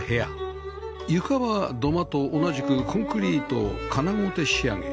床は土間と同じくコンクリート金鏝仕上げ